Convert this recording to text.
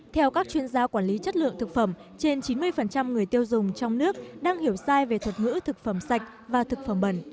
theo các chuyên gia quản lý chất lượng thực phẩm trên chín mươi người tiêu dùng trong nước đang hiểu sai về thuật ngữ thực phẩm sạch và thực phẩm bẩn